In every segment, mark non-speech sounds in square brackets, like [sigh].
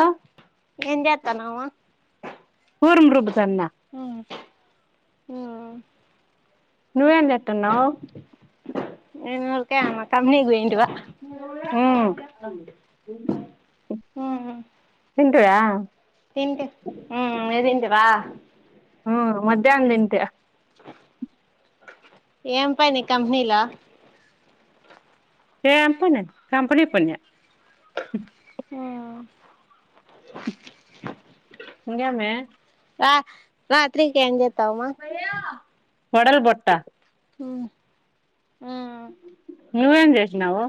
ఆ ఏం చేస్తున్నావ్ పర్ గ్రపజన్నా మ్మ్ నువ్వేం చేస్తన్నావ్ ఇనూరుక ఉమ్ తింటూర తింటే ఉ న తింటేవా ఆ మధ్యాహ్నం ఇంత ఏం పని కంపెనీలా ఏం పని కంపనీ పని ఆ ఇంకా అమ్మి రా రాత్రికేం చెస్తన్నావ్ వడలు బొత్త ఆ నువ్వేం చేేసినావు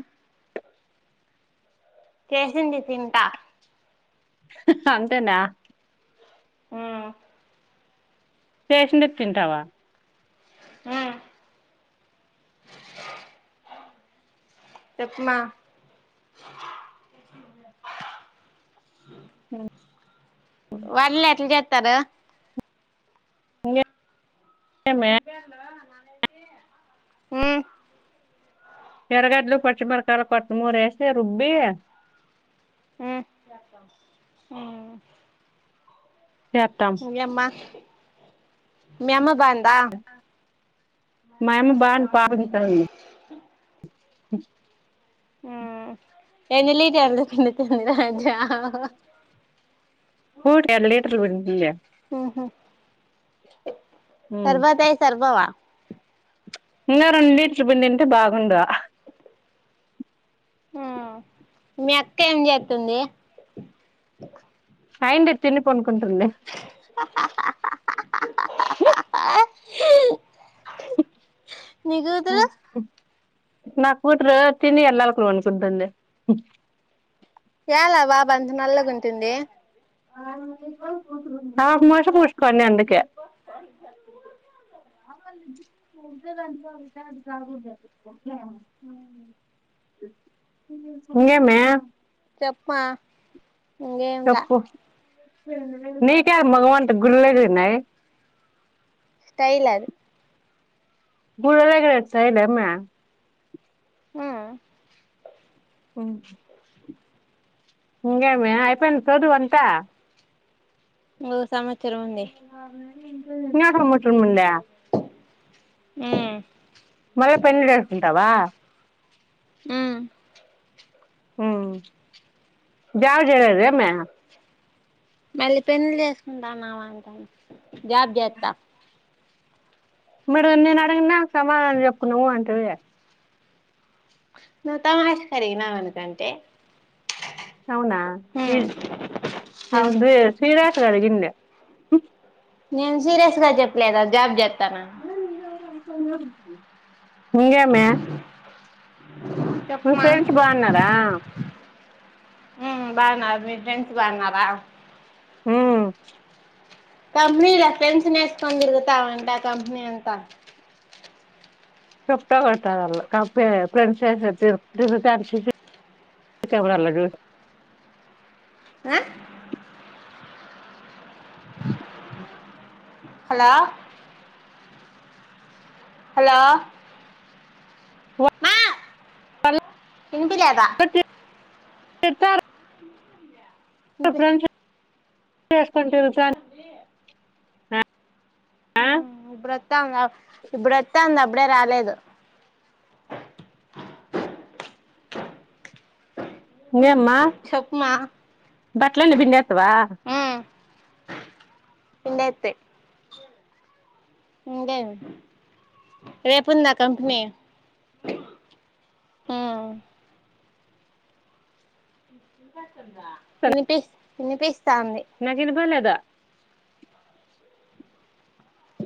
చేసింది తింట అంతేనా ఆ చేసింది తింటావా ఆ చెప్పమ్మ వడలు ఎట్లా చేస్తారు ఇంగా మ్మ్ టమాటో పచ్చిమిరపకాయలు కొత్తిమీరా కూడా ఏసీ రూబ్బి చేత్తాం యామ్మా మీ అమ్మ బంద్ మా యమ్మ బర్రే పాలు పీతుకుతాంది హ మ్మ్ ఎన్ని లీటర్లు ఇస్తుంది రాజా ఎన్ని లీటర్లు పిండుతుంది మ్మ్ హ్హ్ ఉమ్ తర్వాతయ్ సరిపోవా ఇంకా రెండు లీటర్లు పిండి ఉంటే బాగుండు మ్మ్ మీ అక్క ఏం చేస్తుంది ై అయిండి తిని పనుకుంటుంది హ ఆ నాకు త్రీ కి తెలీవచ్చింది ఎల్లెలూకాల పండుకుంటంది ఇయ్యాల బాగా నాలాతగా ఉంటుంది ఆమాషపోసుకోండి అందుకే జ ఏందే అమ్మే చెప్పమ్మా ఇంకేంలే నీకేం మొకమాంత గుల్లగున్నాయి స్టైల్ అది ఫుల్లుగా చెయ్యి స్టైల్ అమ్మా ఓ ప్చ్ ఇంకేమి అయిపోయిందా చదువు అంతా ఓ సంవత్సరం ఉంది ఇంకా సంవత్సరం ఉందా మ్మ్ మల్ల పెల్లి చేసుకుంటావా మ్మ్ జావా చెయ్యలేదా అమ్మి మళ్ళీ పెల్లి చేసుకుంటాన్నావంటా మీరు నేను అడగిన దానికి సమాధనం చెప్పు నువ్వు అంటది నువ్వు తమాషా కి అడిగినావనుకుంటే అవునా అవును నేను సీరియస్ గా అడిగిండు ఉ నేను సీరియస్ గా చెప్పలేదా జాబ్ చేత్తన ఇంగేమి నీ చెప్పమా ఫ్రెండ్స్ బాగున్నారా ఉం బాగున్నారు మీ ఫ్రెండ్స్ బాగున్నారా ఉం కంపనీలా ఫ్రెండ్స్ ని ఏసుకొని తిరుగుతూ ఉంట కంపేనీ అంతా సప్తార ఫ్రెండ్స్ [unintelligible] వరాాలదు [unintelligible] ఆ హలో హలో మా ఇనిపిలేదా చెతారు [unintelligible] వినిపి [inaudible] చేసుకుని తిరుగుతూ ఇప్పుడువోత్తాం ఇప్పుడువోత్తాంది అప్పుడే రాలేదు ఇంగ ఏమ్మా చెప్పుమా బట్లన్నీ పిండి ఎత్వా పిండేత్తే ఇంగే రేపుంద కంపేనీ ఉం వినిపిస్త వినిపిస్తా అంది నాకు వినిపోలేదా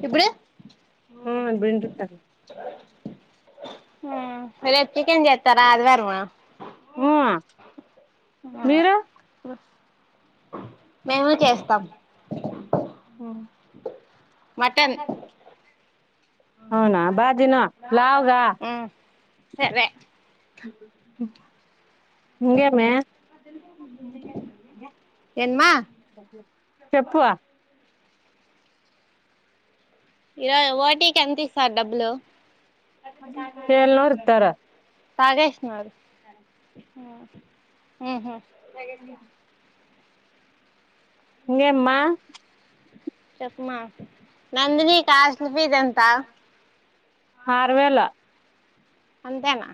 ఇప్పుడు పిండుతాను హమ్ రేపు చికెన్ చే తరా అదివారమా మీరు మేము చేస్తాం మటన్ అవునా బాగ తిను లావుగా ఉమ్ సరే ఇంగేమి ఏన్మా చెప్పువ ఇ రోజు ఓటీకి ఎంత ఇస్తారు డబ్బులు ఏల్ నోర్తార [unintelligible] తగేష్ మరి [unintelligible] ఇంగేమ్మా చెప్మాకు నందిని కాసు [unintelligible] ఆరువేలా అంతేనా